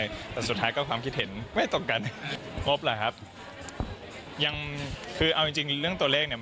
โอ้โหซุ่มเงียบแบบนี้จะบ้านหลังใหญ่หลังโตขนาดไหนคะเนี่ยน้องน้ายค่ะ